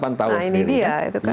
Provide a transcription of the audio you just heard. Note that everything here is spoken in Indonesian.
nah ini dia